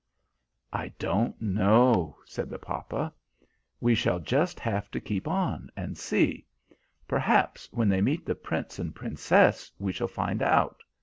"I don't know," said the papa. "We shall just have to keep on and see. Perhaps when they meet the Prince and Princess we shall find out.